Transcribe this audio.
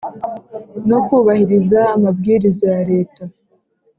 no kubahiriza amabwiriza ya Leta